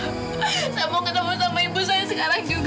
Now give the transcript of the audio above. saya mau ketemu sama ibu saya sekarang juga